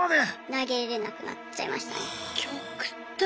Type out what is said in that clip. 投げれなくなっちゃいましたね。